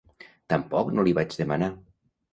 Tampoc no l'hi vaig demanar.